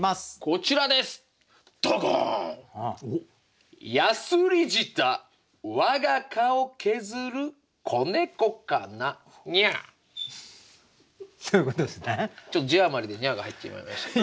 ちょっと字余りで「にゃあ」が入ってしまいましたけど。